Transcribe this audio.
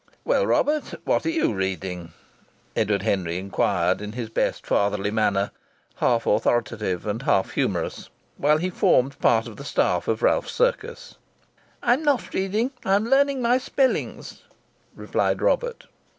"Well, Robert, what are you reading?" Edward Henry inquired, in his best fatherly manner half authoritative and half humorous while he formed part of the staff of Ralph's circus. "I'm not reading I'm learning my spellings," replied Robert.